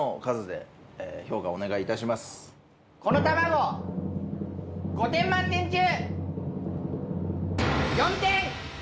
この卵５点満点中。